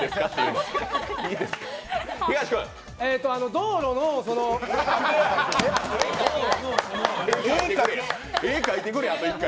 道路のその絵描いてくれ、あと一回。